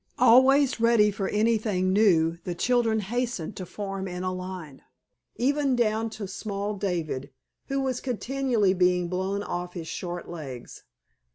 Always ready for anything new the children hastened to form in a line, even down to small David, who was continually being blown off his short legs.